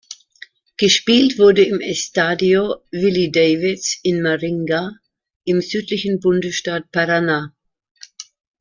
Gespielt wurde im Estádio Willie Davids in Maringá im südlichen Bundesstaat Paraná.